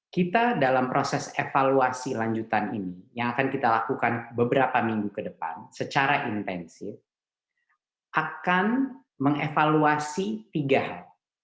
kita dalam proses evaluasi lanjutan ini yang akan kita lakukan beberapa minggu ke depan secara intensif akan mengevaluasi tiga hal